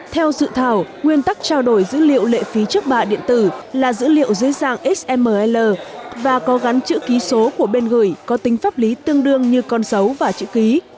theo dự thảo nguyên tắc trao đổi dữ liệu lệ phí trước bạ điện tử là dữ liệu dưới dạng xml và có gắn chữ ký số của bên gửi có tính pháp lý tương đương như con dấu và chữ ký